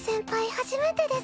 初めてです。